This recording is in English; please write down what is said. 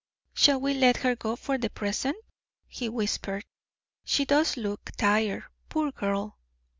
"Shall we let her go for the present?" he whispered. "She does look tired, poor girl."